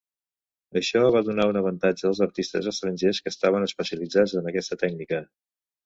Això va donar un avantatge als artistes estrangers que estaven especialitzats en aquesta tècnica.